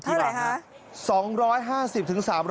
เท่าไหร่คะ